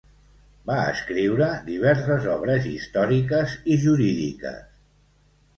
Va escriure diverses obres històriques i jurídiques.